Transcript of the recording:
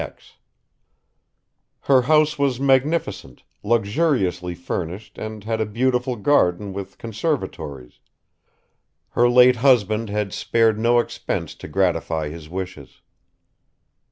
Her house was magnificent, luxuriously furnished and had a beautiful garden with conservatories; her late husband had spared no expense to gratify his wishes.